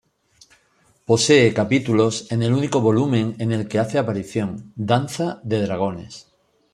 Posee capítulos en el único volumen en el que hace aparición, "Danza de dragones".